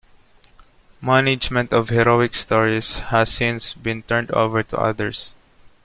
Management of "HeroicStories" has since been turned over to others.